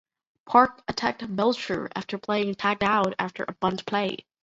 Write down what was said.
Park attacked Belcher after being tagged out after a bunt play.